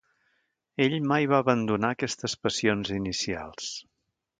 Ell mai va abandonar aquestes passions inicials.